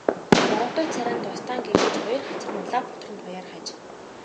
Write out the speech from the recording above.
Боровтор царай нь тос даан гэрэлтэж, хоёр хацар нь улаа бутран туяарах аж.